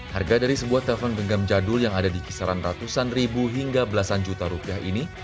harga dari sebuah telpon genggam jadul yang ada di kisaran ratusan ribu hingga belasan juta rupiah ini